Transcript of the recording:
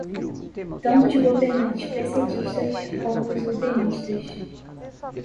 tanto os governantes pessedistas como os udenistas